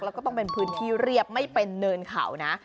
แล้วก็ต้องเป็นพื้นที่เรียบไม่เป็นเนินเขานะ